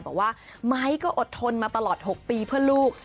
บอกว่าไม้ก็อดทนมาตลอด๖ปีเพื่อลูก